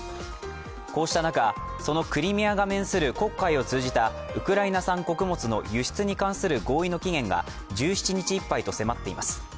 こうした中、そのクリミアが面する黒海を通じたウクライナ産穀物の輸出に関する合意の期限が１７日いっぱいと迫っています。